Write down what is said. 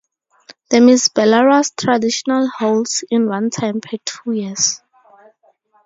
The Miss Belarus traditionally holds in one time per two years.